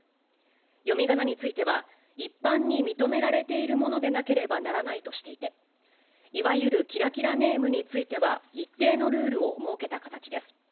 読みがなについては、一般に認められているものでなければならないとしていて、いわゆるキラキラネームについては一定のルールを設けた形です。